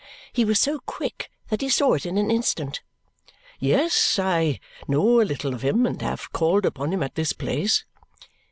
He was so quick that he saw it in an instant. "Yes, I know a little of him and have called upon him at this place."